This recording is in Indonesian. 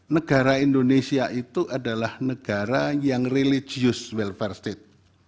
negara indonesia itu adalah negara yang religius welfare state